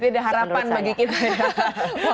berarti ada harapan bagi kita